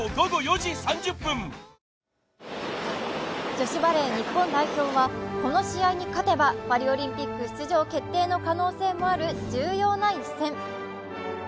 女子バレー日本代表はこの試合に勝てばパリオリンピック出場決定の可能性もある重要な一戦。